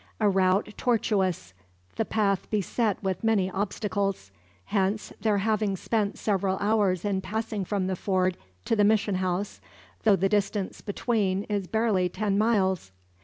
A route tortuous, the path beset with many obstacles; hence their having spent several hours in passing from the ford to the mission house, though the distance between is barely ten miles.